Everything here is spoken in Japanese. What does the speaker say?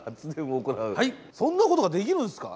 そんなことができるんすか！？